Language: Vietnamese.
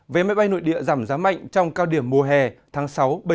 vé máy bay nội địa giảm giá mạnh trong cao điểm mùa hè tháng sáu bảy